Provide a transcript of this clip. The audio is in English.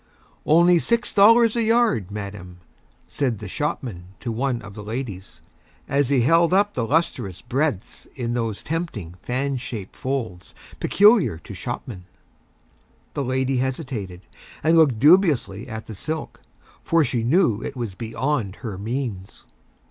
"Only Six Dollars a Yard, Madam," said the Shopman to One of the Ladies, as he held up the Lustrous Breadths in those Tempting Fan shaped Folds peculiar to Shopmen. The Lady hesitated, and looked Dubiously at the Silk, for she knew it was Beyond her Means.